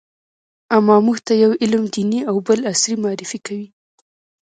اما موږ ته يو علم دیني او بل عصري معرفي کوي.